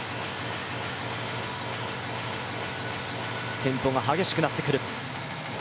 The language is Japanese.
テンポが激しくなってくる。